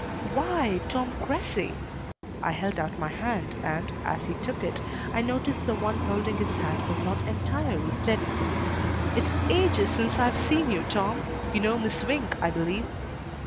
"Why, Tom Cressy!" I held out my hand and, as he took it, I noticed the one holding his hat was not entirely steady. "It's ages since I've seen you, Tom. You know Miss Swink, I believe."